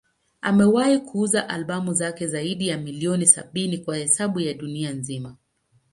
Amewahi kuuza albamu zake zaidi ya milioni sabini kwa hesabu ya dunia nzima.